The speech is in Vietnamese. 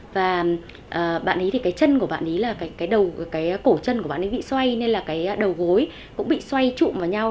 và bạn ấy thì cái chân của bạn ý là cái đầu cái cổ chân của bạn ấy bị xoay nên là cái đầu gối cũng bị xoay trụ vào nhau